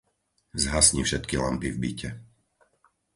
Zhasni všetky lampy v byte.